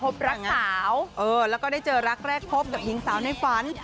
รักสาวแล้วก็ได้เจอรักแรกพบกับหญิงสาวในฝัน